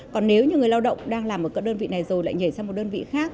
còn nếu như người lao động đang làm ở các đơn vị này rồi lại nhảy sang một đơn vị khác